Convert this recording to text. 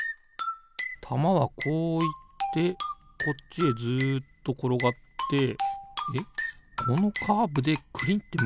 たまはこういってこっちへずっところがってえっこのカーブでくりってまがんのかな？